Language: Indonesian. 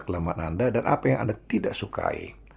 kelamat anda dan apa yang anda tidak sukai